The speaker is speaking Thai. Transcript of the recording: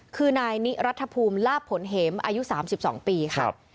คือนายนิรัฐภูมิลาบผลเหมอายุ๓๒ปีค่ะ